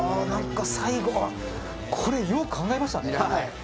これよく考えましたね。